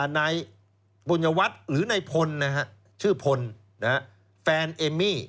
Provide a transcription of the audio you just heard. นายบุญยวัตรหรือนายพลชื่อพลแฟนเอมมี่